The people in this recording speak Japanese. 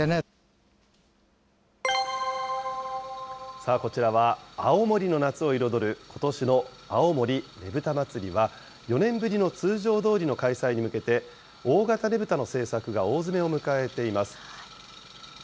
さあ、こちらは青森の夏を彩る、ことしの青森ねぶた祭は、４年ぶりの通常どおりの開催に向けて、大型ねぶたの制作が大詰めを迎えています。